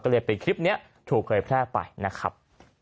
ก็เลยเป็นคลิปนี้ถูกเผยแพร่ไปนะครับ